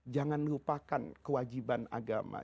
jangan lupakan kewajiban agama